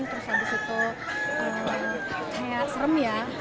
terus habis itu kayak serem ya